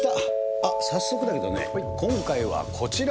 あっ、早速だけどね、今回はこちら。